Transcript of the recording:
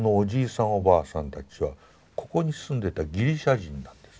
おばあさんたちはここに住んでたギリシャ人なんです。